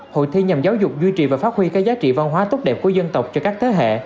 hội thi nhằm giáo dục duy trì và phát huy các giá trị văn hóa tốt đẹp của dân tộc cho các thế hệ